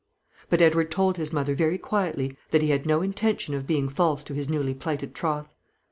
But Edward told his mother, very quietly, that he had no intention of being false to his newly plighted troth.